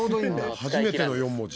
初めての４文字。